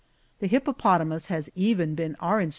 The hippopotamus has even been Lucan in B.